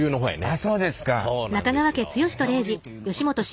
あそうですか。